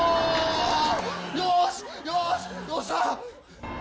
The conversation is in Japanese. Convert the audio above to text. よしよしよっしゃ！